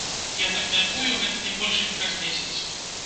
Я так мяркую, гэта не больш як праз месяц.